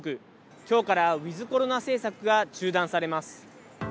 きょうからウィズコロナ政策が中断されます。